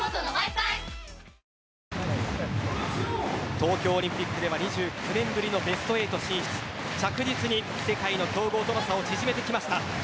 東京オリンピックでは２９年ぶりのベスト８進出着実に世界の強豪との差を縮めてきました。